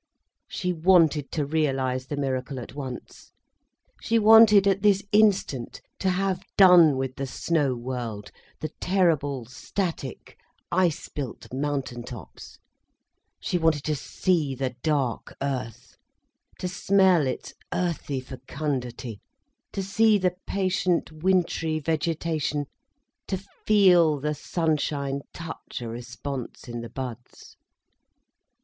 She wanted to realise the miracle at once. She wanted at this instant to have done with the snow world, the terrible, static ice built mountain tops. She wanted to see the dark earth, to smell its earthy fecundity, to see the patient wintry vegetation, to feel the sunshine touch a response in the buds.